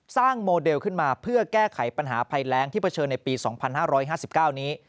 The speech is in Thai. สร้างโมเดลขึ้นมาเพื่อแก้ไขปัญหาภัยแรงที่เผชิญในปีสองพันห้าร้อยห้าสิบเก้านี้